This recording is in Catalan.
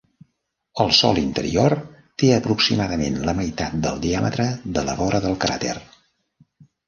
El sòl interior té aproximadament la meitat del diàmetre de la vora del cràter.